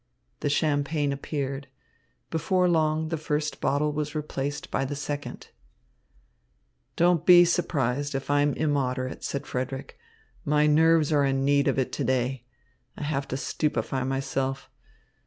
'" The champagne appeared. Before long, the first bottle was replaced by the second. "Don't be surprised if I am immoderate," said Frederick. "My nerves are in need of it to day. I have to stupefy myself.